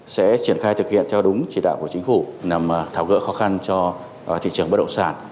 sẽ triển khai thực hiện theo đúng chỉ đạo của chính phủ nhằm tháo gỡ khó khăn cho thị trường bất động sản